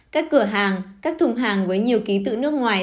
các cửa hàng các thùng hàng với nhiều ký tự nước ngoài